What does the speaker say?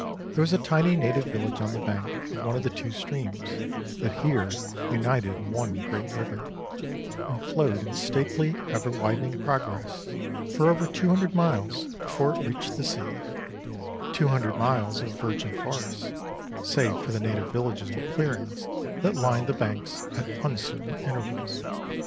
There was a tiny native village on the bank of one of the two streams that here united in one great river, and flowed in stately, ever widening progress for over two hundred miles before it reached the sea: two hundred miles of virgin forest, save for the native villages and clearings that lined the banks at uncertain intervals.